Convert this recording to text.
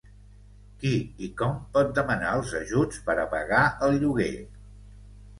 Qui i com pot demanar els ajuts per a pagar el lloguer?